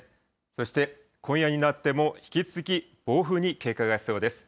そして今夜になっても引き続き暴風に警戒が必要です。